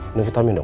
ini vitamin dong